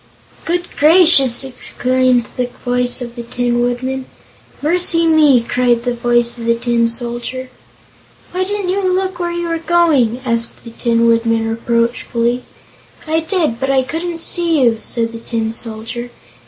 "Good gracious!" exclaimed the voice of the Tin Woodman. "Mercy me!" cried the voice of the Tin Soldier. "Why didn't you look where you were going?" asked the Tin Woodman reproachfully. "I did, but I couldn't see you," said the Tin Soldier.